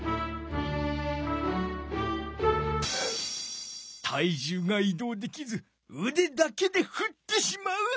体重が移動できずうでだけでふってしまう。